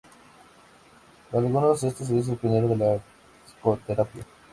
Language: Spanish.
Para algunos esto le hizo pionero de la psicoterapia.